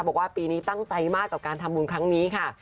บอกว่าปีนี้ตั้งใจมากกับการทำบุญครั้งนี้ค่ะ